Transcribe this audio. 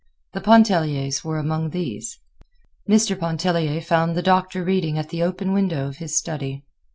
The Pontelliers were among these. Mr. Pontellier found the Doctor reading at the open window of his study.